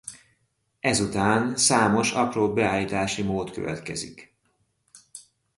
Ezután számos apró beállítási mód következik.